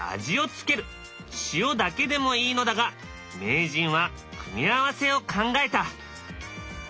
塩だけでもいいのだが名人は組み合わせを考えた。